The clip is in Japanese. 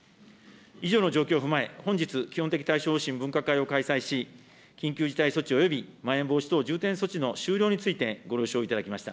以上の状況を踏まえ、本日、基本的対処方針分科会を開催し、緊急事態措置およびまん延防止等重点措置の終了について、ご了承いただきました。